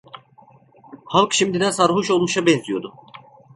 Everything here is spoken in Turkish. Halk şimdiden sarhoş olmuşa benziyordu.